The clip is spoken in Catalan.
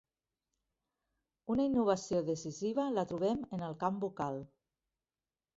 Una innovació decisiva la trobem en el camp vocal.